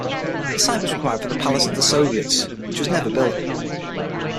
The site was required for the Palace of the Soviets, which was never built.